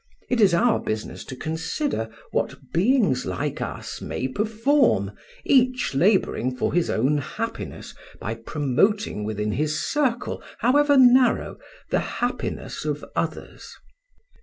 It is our business to consider what beings like us may perform, each labouring for his own happiness by promoting within his circle, however narrow, the happiness of others.